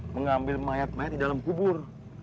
mengambil mayat mayat di dalam kubur